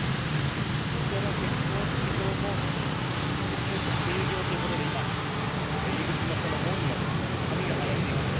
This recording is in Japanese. こちらの結婚式場も急きょ閉業ということで今、入り口の門には紙が貼られています。